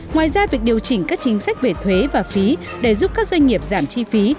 ngoài ra việc điều chỉnh các chính sách về thuế và phí để giúp các doanh nghiệp giảm chi phí